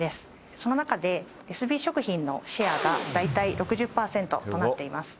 その中でエスビー食品のシェアが大体６０％となっています